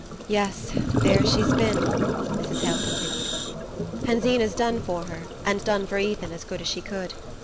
"Yes, there she's been," Mrs. Hale continued, "and Zeena's done for her, and done for Ethan, as good as she could.